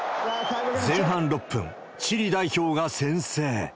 前半６分、チリ代表が先制。